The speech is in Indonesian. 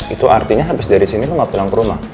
itu artinya habis dari sini lu gak pulang ke rumah